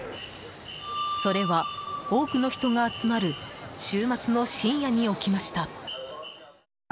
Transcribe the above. それは、多くの人が集まる週末の深夜に起きました。